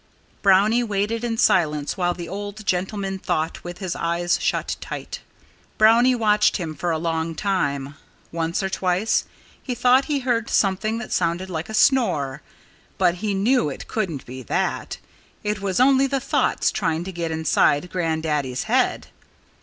Brownie waited in silence while the old gentleman thought, with his eyes shut tight. Brownie watched him for a long time. Once or twice he thought he heard something that sounded like a snore. But he knew it couldn't be that it was only the thoughts trying to get inside Grandaddy's head.